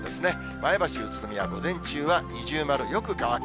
前橋、宇都宮、午前中は二重丸、よく乾く。